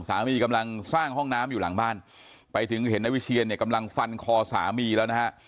สามีกำลังสร้างห้องน้ำอยู่หลังบ้านไปถึงเห็นนายวิเชียนเนี่ยกำลังฟันคอสามีแล้วนะฮะ